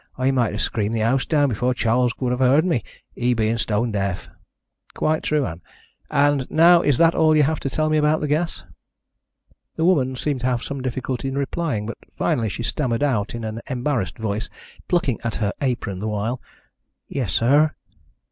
I might have screamed the house down before Charles would have heard me, he being stone deaf." "Quite true, Ann. And now is that all you have to tell me about the gas?" The woman seemed to have some difficulty in replying, but finally she stammered out in an embarrassed voice, plucking at her apron the while: "Yes, sir."